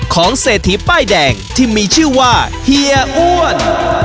เศรษฐีป้ายแดงที่มีชื่อว่าเฮียอ้วน